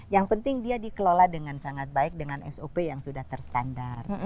yang penting dia dikelola dengan sangat baik dengan sop yang sudah terstandar